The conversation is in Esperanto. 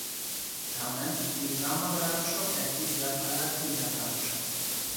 Tamen pli fama branĉo estis la palatina branĉo.